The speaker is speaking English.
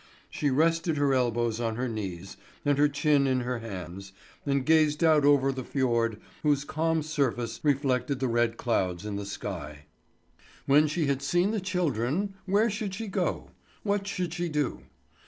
She rested her elbows on her knees, and her chin in her hands, and gazed out over the fjord whose calm surface reflected the red clouds in the sky. When she had seen the children, where should she go? what should she do?